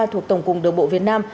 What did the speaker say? thuộc tổng cùng đường bộ việt nam